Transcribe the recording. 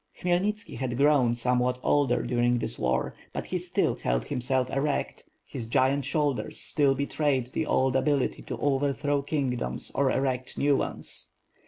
Khmyelnitski had grown somewhat older during this war, but he still held himself erect, his giant shoulders still betrayed the old ability to overthrow kingdoms or erect new ones.